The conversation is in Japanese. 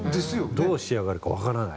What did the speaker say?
どう仕上がるかわからない。